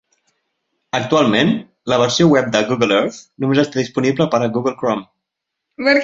Actualment, la versió web de Google Earth només està disponible per a Google Chrome.